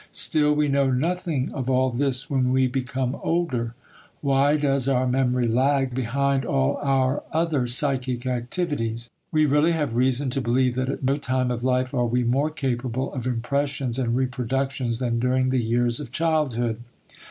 Still we know nothing of all this when we become older. Why does our memory lag behind all our other psychic activities? We really have reason to believe that at no time of life are we more capable of impressions and reproductions than during the years of childhood.